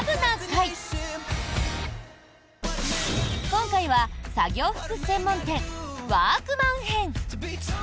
今回は、作業服専門店ワークマン編。